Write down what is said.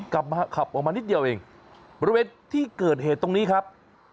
ขับมาขับออกมานิดเดียวเองบริเวณที่เกิดเหตุตรงนี้ครับ